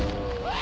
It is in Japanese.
あ！